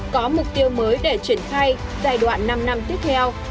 có mục tiêu mới để triển khai giai đoạn năm năm tiếp theo